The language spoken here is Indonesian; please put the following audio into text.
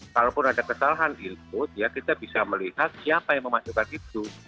kalaupun ada kesalahan input ya kita bisa melihat siapa yang memasukkan itu